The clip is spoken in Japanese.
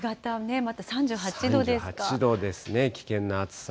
３８度ですね、危険な暑さ。